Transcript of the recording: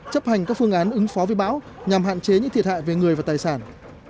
chấp hành các phương án ứng phó với bão nhằm hạn chế những thiệt hại về người và tài sản